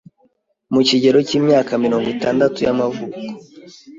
mu kigero cy’imyaka mirongo itandatu y’amavuko